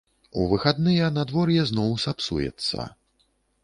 У выхадныя надвор'е зноў сапсуецца.